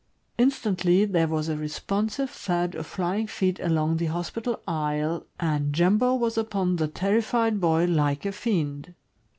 Instantly there was a responsive thud of flying feet along the hospital aisle, and Jumbo was upon the terrified boy like a fiend.